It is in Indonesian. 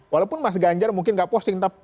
walaupun mas ganjar mungkin gak posting